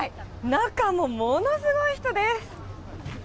中もものすごい人です。